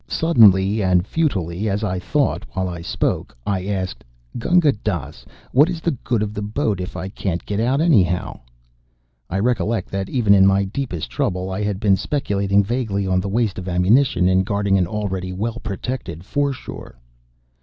Suddenly, and futilely as I thought while I spoke, I asked: "Gunga Dass, what is the good of the boat if I can't get out anyhow?" I recollect that even in my deepest trouble I had been speculating vaguely on the waste of ammunition in guarding an already well protected foreshore.